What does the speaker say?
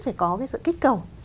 phải có cái sự kích cầu